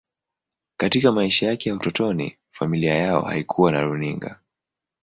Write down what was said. Katika maisha yake ya utotoni, familia yao haikuwa na runinga.